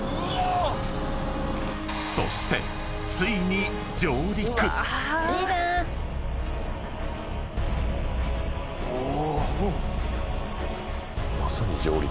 ［そしてついに］お。